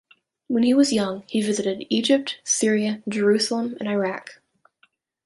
When he was young, he visited Egypt, Syria, Jerusalem and Iraq.